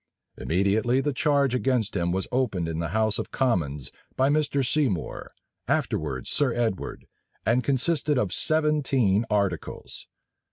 Immediately the charge against him was opened in the house of commons by Mr. Seymour, afterwards Sir Edward, and consisted of seventeen articles.